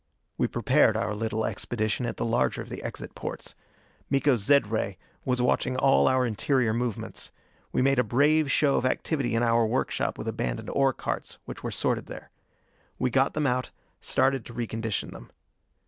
We prepared our little expedition at the larger of the exit portes. Miko's zed ray was watching all our interior movements. We made a brave show of activity in our workshop with abandoned ore carts which were stored there. We got them out, started to recondition them.